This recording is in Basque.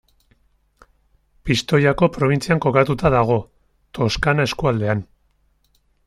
Pistoiako probintzian kokatuta dago, Toscana eskualdean.